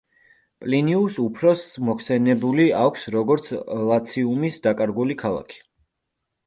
პლინიუს უფროსს მოხსენებული აქვს როგორც ლაციუმის დაკარგული ქალაქი.